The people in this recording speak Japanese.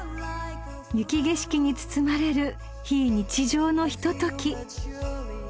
［雪景色に包まれる非日常のひととき］